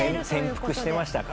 潜伏してましたか。